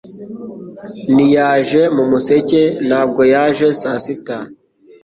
Ntiyaje mu museke; ntabwo yaje saa sita;